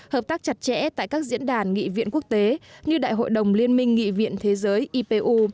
hợp tác chặt chẽ tại các diễn đàn nghị viện quốc tế như đại hội đồng liên minh nghị viện thế giới ipu